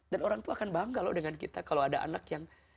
dan orang tua akan bangga loh dengan kita kalau ada anak yang